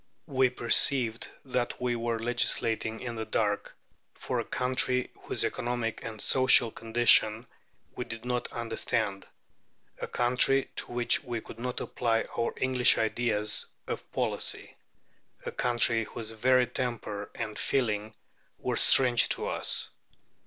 We perceived that we were legislating in the dark for a country whose economic and social condition we did not understand a country to which we could not apply our English ideas of policy; a country whose very temper and feeling were strange to us.